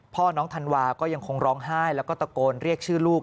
พ่อน้องธันวาก็ยังคงร้องไห้